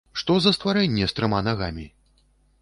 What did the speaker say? Што за стварэнне з трыма нагамі?